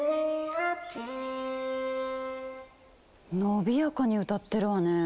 伸びやかに歌ってるわね。